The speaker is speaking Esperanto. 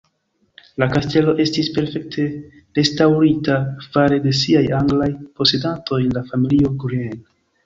La kastelo estis perfekte restaŭrita fare de siaj anglaj posedantoj, la familio "Green".